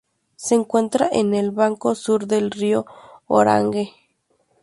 Se encuentra en el banco sur del río Orange.